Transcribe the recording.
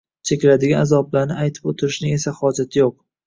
chekiladigan azoblarni aytib o‘tirishning esa hojati yo‘q.